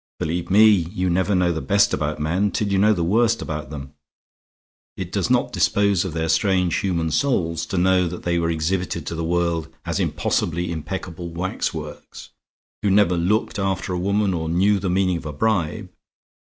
Believe me, you never know the best about men till you know the worst about them. It does not dispose of their strange human souls to know that they were exhibited to the world as impossibly impeccable wax works, who never looked after a woman or knew the meaning of a bribe.